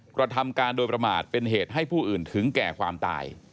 กระทำการโดยประมาทเป็นเหตุให้ผู้อื่นถึงแก่ความตาย